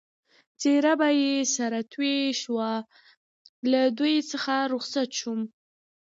څېره به یې سره توی شوه، له دوی څخه رخصت شوم.